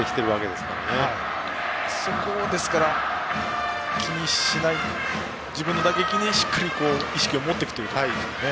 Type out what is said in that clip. ですからそこを気にしない自分の打撃にしっかり意識を持っていくということですね。